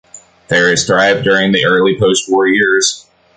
Ferris thrived during the early post-war years.